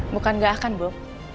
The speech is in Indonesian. bukan gak akan bu